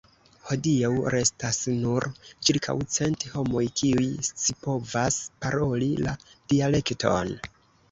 Hodiaŭ restas nur ĉirkaŭ cent homoj kiuj scipovas paroli la dialekton.